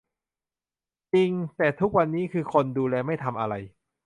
จริง แต่ทุกวันนี้คือ คนดูแลไม่ทำอะไร